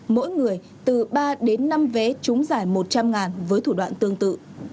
mỗi người từ ba đến năm vé chúng giải một trăm linh ngàn với thủ đoạn tương tự